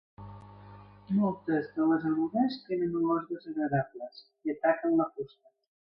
Moltes de les erugues tenen olors desagradables; i ataquen la fusta.